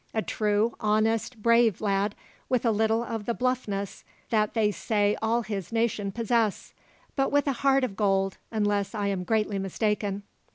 A true, honest, brave lad, with a little of the bluffness that they say all his nation possess, but with a heart of gold, unless I am greatly mistaken."